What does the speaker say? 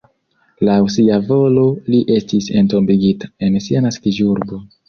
Laŭ sia volo li estis entombigita en sia naskiĝurbo.